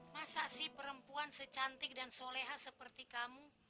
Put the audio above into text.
masa sih perempuan secantik dan soleha seperti kamu